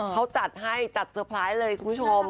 เขาจัดให้จัดเตอร์ไพรส์เลยคุณผู้ชม